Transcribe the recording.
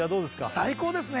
最高ですね